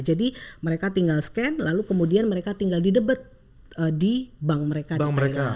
jadi mereka tinggal scan lalu kemudian mereka tinggal di debit di bank mereka di thailand